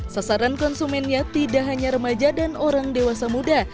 sasaran konsumennya tidak hanya remaja dan orang dewasa muda